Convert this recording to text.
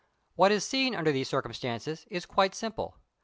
What is seen under these circumstances is quite simple.